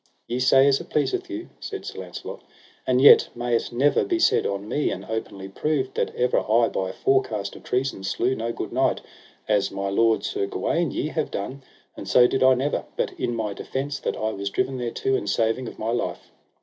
Ye say as it pleaseth you, said Sir Launcelot; and yet may it never be said on me, and openly proved, that ever I by forecast of treason slew no good knight, as my lord, Sir Gawaine, ye have done; and so did I never, but in my defence that I was driven thereto, in saving of my life.